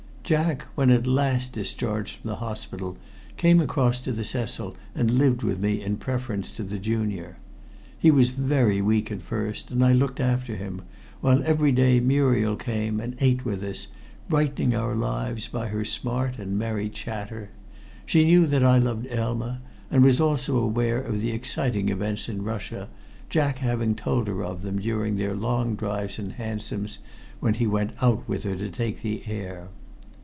Jack, when at last discharged from the hospital, came across to the Cecil and lived with me in preference to the "Junior." He was very weak at first, and I looked after him, while every day Muriel came and ate with us, brightening our lives by her smart and merry chatter. She knew that I loved Elma and was also aware of the exciting events in Russia, Jack having told her of them during their long drives in hansoms when he went out with her to take the air.